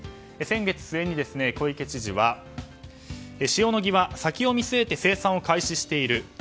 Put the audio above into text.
先月末に小池知事は塩野義は先を見据えて生産を開始している。